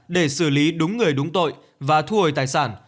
để xử lý đúng người đúng tội và thu hồi tài sản